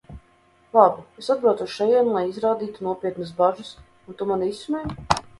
Labi, es atbraucu uz šejieni, lai izrādītu nopietnas bažas, un tu mani izsmej?